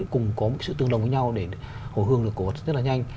cùng có một sự tương đồng với nhau để hồi hương được cổ vật rất là nhanh